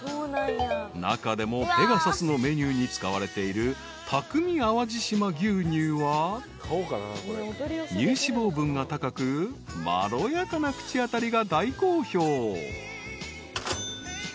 ［中でもペガサスのメニューに使われている匠淡路島牛乳は乳脂肪分が高くまろやかな口当たりが大好評］